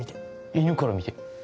犬から見て？